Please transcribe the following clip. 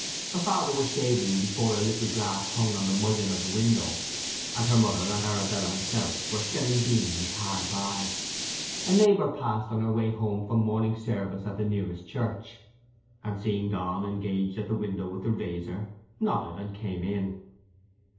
Her father was shaving before a little glass hung on the mullion of the window, and her mother and Arabella herself were shelling beans hard by. A neighbour passed on her way home from morning service at the nearest church, and seeing Donn engaged at the window with the razor, nodded and came in.